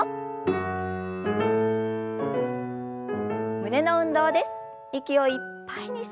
胸の運動です。